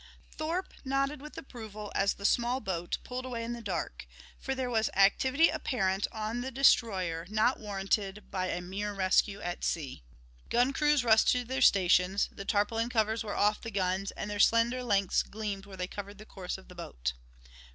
Thorpe nodded with approval as the small boat pulled away in the dark, for there was activity apparent on the destroyer not warranted by a mere rescue at sea. Gun crews rushed to their stations; the tarpaulin covers were off of the guns, and their slender lengths gleamed where they covered the course of the boat.